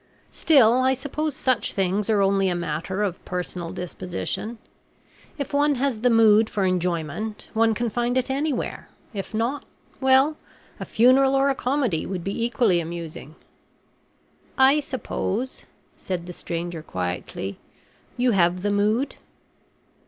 Still, I suppose such things are only a matter of personal disposition. If one has the mood for enjoyment, one can find it anywhere; if not well, a funeral or a comedy would be equally amusing." "I suppose," said the stranger, quietly, "you have the mood."